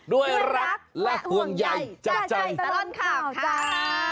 ด้วยรักและห่วงใหญ่จากใจตลอดข่าวจ้า